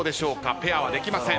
ペアはできません。